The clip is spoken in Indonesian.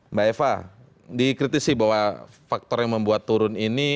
mbak eva dikritisi bahwa faktor yang membuat turun ini